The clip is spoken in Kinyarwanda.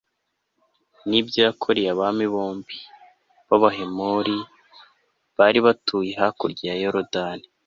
n'ibyo yakoreye abami bombi b'abahemori bari batuye hakurya ya yorudani